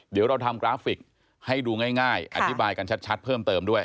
เดี๋ยวเราทำกราฟิกให้ดูง่ายอธิบายกันชัดเพิ่มเติมด้วย